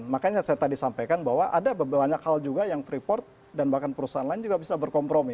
makanya saya tadi sampaikan bahwa ada banyak hal juga yang freeport dan bahkan perusahaan lain juga bisa berkompromi